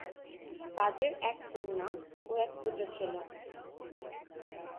তাদের এক কন্যা ও এক পুত্র ছিল।